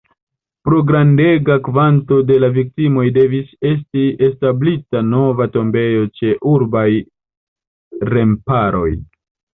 Pro grandega kvanto de la viktimoj devis esti establita nova tombejo ĉe urbaj remparoj.